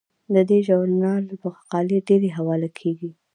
د دې ژورنال مقالې ډیرې حواله کیږي.